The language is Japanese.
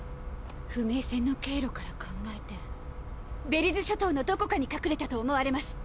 不明船の経路から考えてベリズ諸島のどこかに隠れたと思われます。